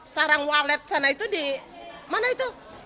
sarang walet sana itu di mana itu